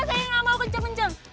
saya nggak mau kenceng kenceng